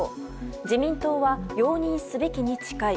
自民党は、容認すべきに近い。